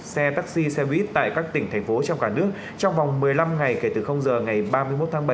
xe taxi xe buýt tại các tỉnh thành phố trong cả nước trong vòng một mươi năm ngày kể từ giờ ngày ba mươi một tháng bảy